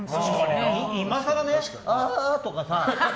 今更、あだとかさ。